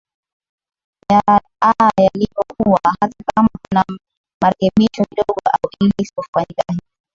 a yalivyo ua hata kama kunamarekebisho kidogo au ile isipofanyika hivi